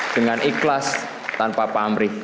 dengan ikhlas tanpa pamrih